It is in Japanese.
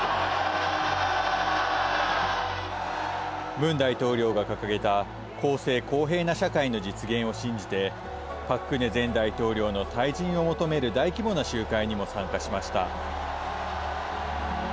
ムン大統領が掲げた「公正・公平な社会」の実現を信じて、パク・クネ前大統領の退陣を求める大規模な集会にも参加しました。